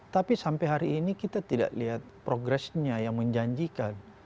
tapi sampai hari ini kita tidak lihat progresnya yang menjanjikan